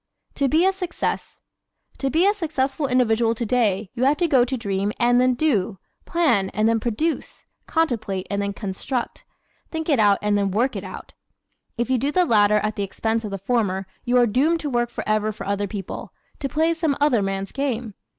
To be a Success ¶ To be a successful individual today you have got to dream and then DO; plan and then PRODUCE; contemplate and then CONSTRUCT; think it out and then WORK it out. If you do the latter at the expense of the former you are doomed to work forever for other people, to play some other man's game.